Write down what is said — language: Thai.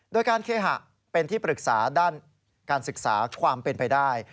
โดยการเคหะเป็นที่ปรึกษาด้านการศึกษาความเป็นไปได้